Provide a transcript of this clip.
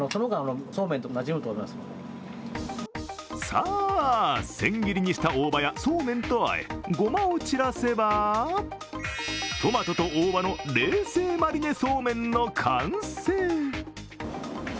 さあ、千切りにした大葉やそうめんと和えごまを散らせばトマトと大葉の冷製マリネそうめんの完成。